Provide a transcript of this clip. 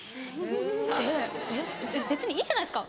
で別にいいじゃないですか